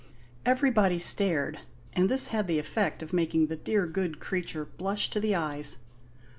Everybody stared; and this had the effect of making the dear good creature blush to the eyes.